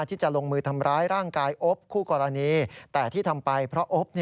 ที่จะลงมือทำร้ายร่างกายอบคู่กรณีแต่ที่ทำไปเพราะอบ